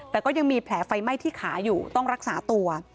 แต่ก็ยังมีแผลไฟไหม้ที่ขาอยู่ต้องรักษาตัว